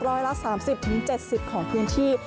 ร้อยละ๓๐๗๐ของพื้นที่